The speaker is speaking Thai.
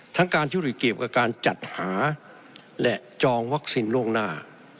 ทั้งการทุรีเกี่ยวกับการจัดหาและจองวัคซีนล่วงหน้า